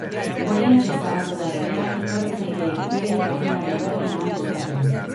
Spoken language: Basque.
Oraintxe zabaldu da epea ikertzaileek beren jardunaren berri eman dezaten.